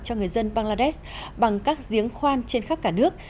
cho người dân bangladesh bằng các giếng khoan trên khắp cả nước